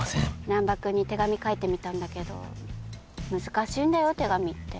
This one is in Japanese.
難破君に手紙書いてみたんだけど難しいんだよ手紙って。